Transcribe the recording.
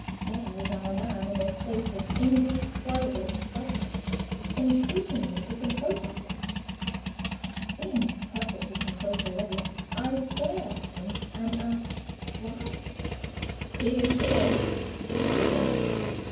There was our man, in a state of indescribable excitement, entreating me to compose myself! Being perfectly composed already, I stared at him, and asked, "Why?" "He is here!" cried the man.